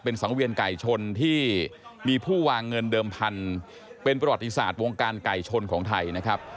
สังเวียนไก่ชนที่มีผู้วางเงินเดิมพันธุ์เป็นประวัติศาสตร์วงการไก่ชนของไทยนะครับ